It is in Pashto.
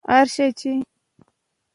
انګریزان د هند په لاره افغانستان ته راغلل.